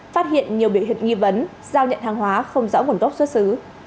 phát hiện nhiều biểu hiện nghi vấn giao nhận hàng hóa không rõ nguồn gốc xuất xứ